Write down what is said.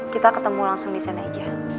kita ketemu langsung disana aja